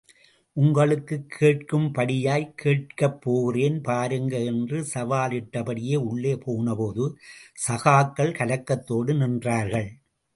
உங்களுக்குக் கேட்கும்படியாய் கேட்கப்போறேன் பாருங்க.. என்று சவாலிட்டபடியே உள்ளே போனபோது, சகாக்கள் கலக்கத்தோடு நின்றார்கள்.